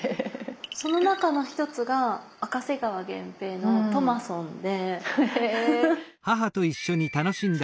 その中の一つが赤瀬川原平の「トマソン」で。